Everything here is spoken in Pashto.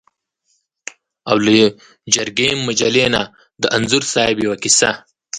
او له جرګې مجلې نه د انځور صاحب یوه کیسه.